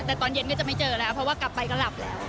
แต่ตอนเย็นก็จะไม่เจอแล้วเพราะว่ากลับไปก็หลับแล้ว